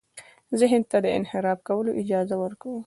ذهن ته د انحراف کولو اجازه ورکوو.